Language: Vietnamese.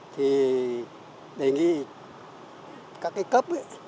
thì đề nghị các cái cấp này